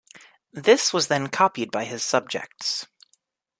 This was then copied by his subjects.